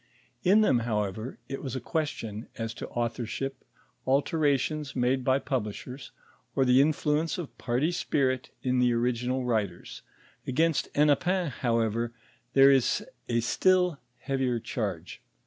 In thero, however, it was a question as to authorship, alterations made by pub lishers, or the Influence of party spirit in the original writers ; against Hennepin, however, there is a still heavier charge.